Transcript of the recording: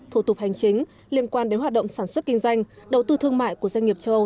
thủ tục hành chính liên quan đến hoạt động sản xuất kinh doanh đầu tư thương mại của doanh nghiệp châu âu